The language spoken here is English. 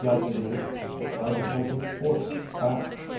yelled the youth, and tried to hold the horse back.